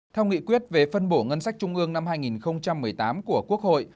theo nghị quyết về phân bổ ngân sách trung ương năm hai nghìn một mươi tám của quốc hội